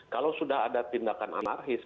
kalau sudah ada tindakan anarkis